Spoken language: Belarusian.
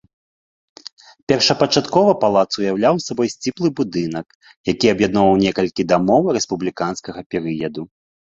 Першапачаткова палац уяўляў сабою сціплы будынак, які аб'ядноўваў некалькіх дамоў рэспубліканскага перыяду.